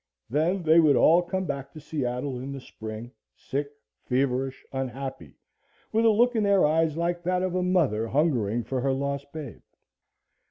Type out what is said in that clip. Then they would all come back to Seattle in the spring, sick, feverish, unhappy, with a look in their eyes like that of a mother hungering for her lost babe.